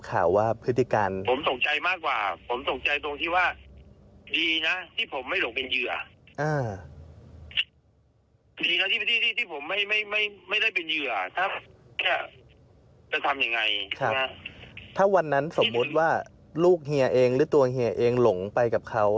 ถ้าวันนั้นสมมุติว่าลูกเฮียเองหรือตัวเฮียเองหลงไปกับเขา